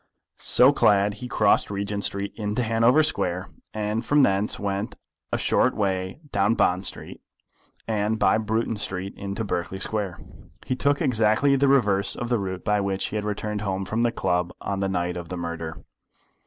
So clad he crossed Regent Street into Hanover Square, and from thence went a short way down Bond Street, and by Bruton Street into Berkeley Square. He took exactly the reverse of the route by which he had returned home from the club on the night of the murder.